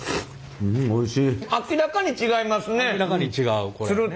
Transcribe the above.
明らかに違いますね！